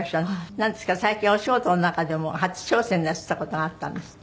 なんですか最近お仕事の中でも初挑戦なすった事があったんですって？